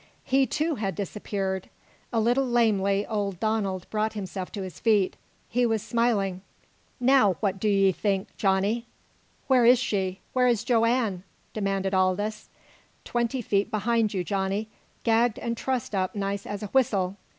He, too, had disappeared. A little lamely old Donald brought himself to his feet. He was smiling. "Now, what do 'ee think, Johnny?" "Where is she? Where is Joanne?" demanded Aldous. "Twenty feet behind you, Johnny, gagged an' trussed up nice as a whistle!